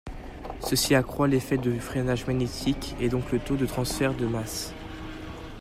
Ceci accroît l'effet du freinage magnétique et donc le taux de transfert de masse.